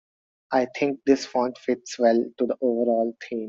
I think this font fits well to the overall theme.